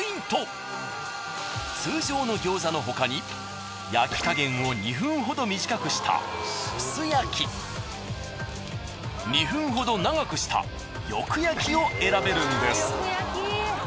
通常の餃子のほかに焼き加減を２分ほど短くした２分ほど長くしたよく焼きを選べるんです。